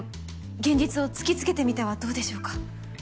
現実を突きつけてみてはどうでしょうか？